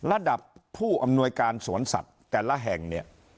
ระดับผู้อำนวยการสวนสัตว์แต่ละแห่งเนี่ย